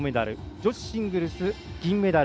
女子シングルス、銀メダル。